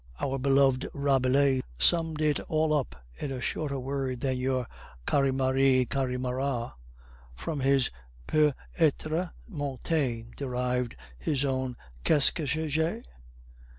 "Our beloved Rabelais summed it all up in a shorter word than your 'Carymary, Carymara'; from his Peut etre Montaigne derived his own Que sais je?